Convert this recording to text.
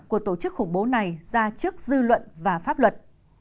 của tổ chức khủng bố này ra trước dư luận và pháp luật